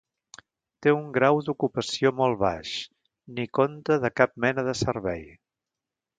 Té un grau d'ocupació molt baix, ni conta de cap mena de servei.